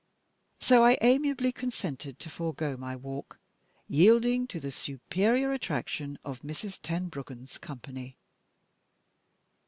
So I amiably consented to forego my walk, yielding to the superior attraction of Mrs. Tenbruggen's company.